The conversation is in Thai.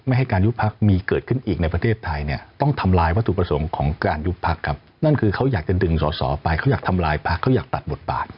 ให้ใหญ่กว่าเดิมนะครับ